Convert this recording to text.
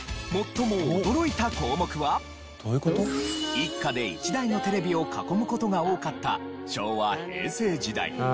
一家で一台のテレビを囲む事が多かった昭和・平成時代。